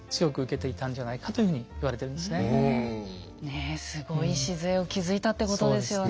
ねえすごい礎を築いたってことですよね。